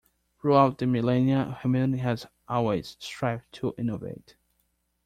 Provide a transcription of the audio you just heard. Throughout the millenia, humanity has always strived to innovate.